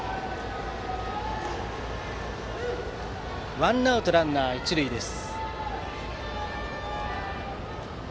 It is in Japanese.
ワンアウトランナー、一塁です。